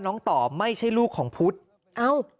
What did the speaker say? น้องต่อไม่ใช่ลูกของพุทธ